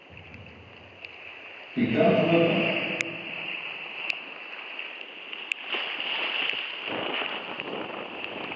hik ḍam phu etam